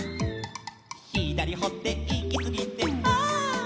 「ひだりほっていきすぎてはっ」